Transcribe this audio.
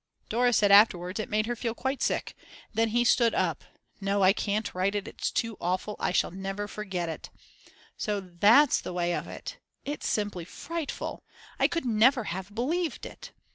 _ Dora said afterwards it made her feel quite sick. And then he stood up no, I can't write it, it's too awful, I shall never forget it. So that's the way of it, it's simply frightful. I could never have believed it.